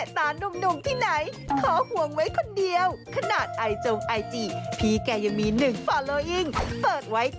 ตามเมียจ้า